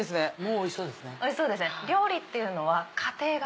おいしそうですね。